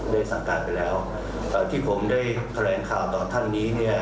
สั่งการไปแล้วที่ผมได้แถลงข่าวต่อท่านนี้เนี่ย